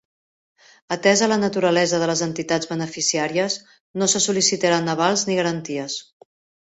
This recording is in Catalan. Atesa la naturalesa de les entitats beneficiàries, no se sol·licitaran avals ni garanties.